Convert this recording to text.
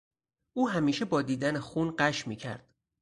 او همیشه با دیدن خون غش میکرد.